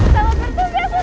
kau bertunggah uping